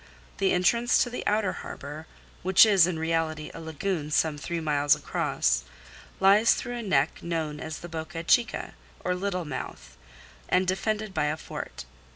The entrance to the outer harbour, which is in reality a lagoon some three miles across, lies through a neck known as the Boca Chica or Little Mouth and defended by a fort.